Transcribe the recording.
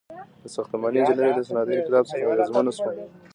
• ساختماني انجینري د صنعتي انقلاب څخه اغیزمنه شوه.